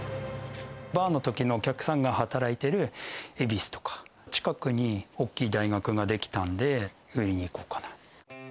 バーのときのお客さんが働いている恵比寿とか、近くに大きい大学が出来たんで、売りに行こうかなと。